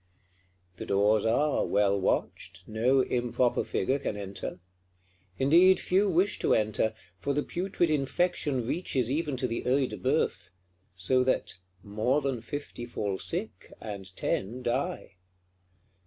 The doors are well watched, no improper figure can enter. Indeed, few wish to enter; for the putrid infection reaches even to the Œil de Bœuf; so that "more than fifty fall sick, and ten die."